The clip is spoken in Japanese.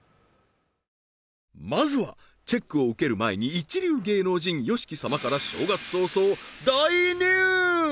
まずはチェックを受ける前に一流芸能人ＹＯＳＨＩＫＩ様から正月早々大ニュース